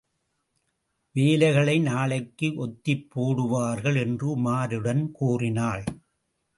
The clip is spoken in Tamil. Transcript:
வேலைகளை நாளைக்கு ஒத்திப் போடுவார்கள் என்று உமாரிடம் கூறினாள்.